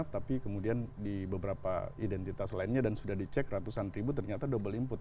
tapi kemudian di beberapa identitas lainnya dan sudah dicek ratusan ribu ternyata double input